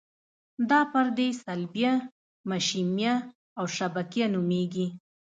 دا پردې صلبیه، مشیمیه او شبکیه نومیږي.